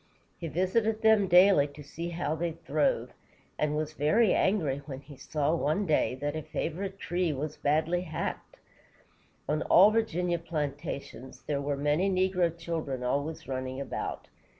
He visited them daily to see how they throve, and was very angry when he saw, one day, that a favorite tree was badly hacked. On all Virginia plantations, there were many negro children always running about.